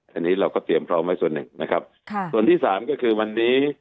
อันนี้เราก็เตรียมพร้อมไว้ส่วนหนึ่งนะครับค่ะส่วนที่สามก็คือวันนี้